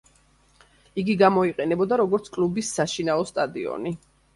იგი გამოიყენებოდა როგორც კლუბის საშინაო სტადიონი.